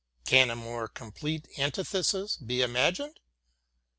Can a more complete antithesis be imagined!